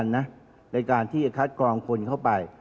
ในการที่จะคัดกรองคนเข้าไป